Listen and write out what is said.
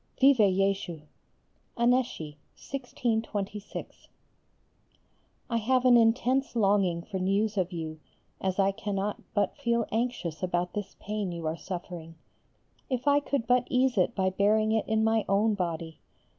_ Vive [+] Jésus! ANNECY, 1626. I have an intense longing for news of you, as I cannot but feel anxious about this pain you are suffering. If I could but ease it by bearing it in my own body!